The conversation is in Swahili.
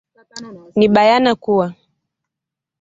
ni bayana kuwa